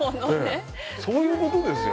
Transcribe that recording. そういうことですよ。